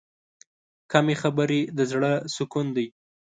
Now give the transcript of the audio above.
کمې خبرې، د زړه سکون دی.